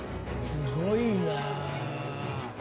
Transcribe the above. すごいなあ。